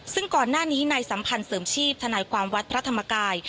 ซึ่งก่อนหน้านี้ในสัมพันธ์เสริมชีพธนายความวัดพระธรรมกาย